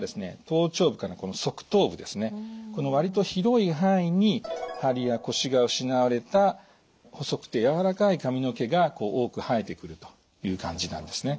頭頂部からこの側頭部ですねこの割と広い範囲にハリやコシが失われた細くてやわらかい髪の毛が多く生えてくるという感じなんですね。